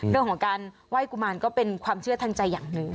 เรื่องของการไหว้กุมารก็เป็นความเชื่อทางใจอย่างหนึ่ง